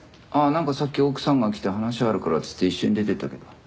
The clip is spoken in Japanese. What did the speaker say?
ああなんかさっき奥さんが来て話あるからっつって一緒に出ていったけど。